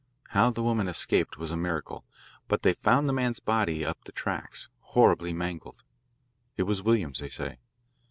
How the woman escaped was a miracle, but they found the man's body up the tracks, horribly mangled. It was Williams, they say.